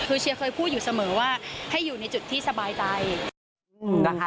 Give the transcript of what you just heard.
คือเชียร์เคยพูดอยู่เสมอว่าให้อยู่ในจุดที่สบายใจนะคะ